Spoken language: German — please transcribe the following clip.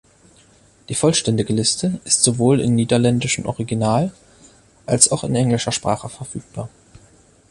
Die vollständige Liste ist sowohl im niederländischen Original als auch in englischer Sprache verfügbar.